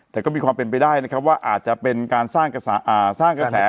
แต่ก็มีความเป็นไปได้นะครับว่าอาจจะเป็นการสร้างกระแส